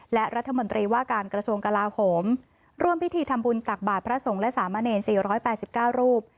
และรัฐมนตรีว่าการกระทรวงกลาโหมร่วมพิธีทำบุญตักบาทพระสงฆ์และสามะเนร๔๘๙รูป